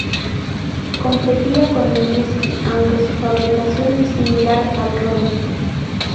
Competía con el whisky, aunque su fabricación es similar al ron.